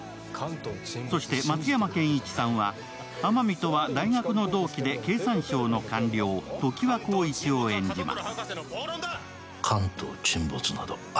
そして松山ケンイチさんは、天海とは大学の同期で経産省の官僚、常盤紘一を演じます。